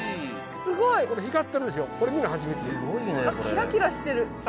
キラキラしてる。